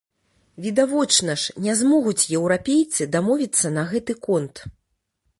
Відавочна ж, не змогуць еўрапейцы дамовіцца на гэты конт.